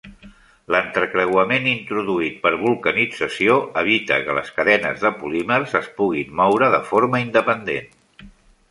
L'entrecreuament introduït per vulcanització evita que les cadenes de polímers es puguin moure de forma independent.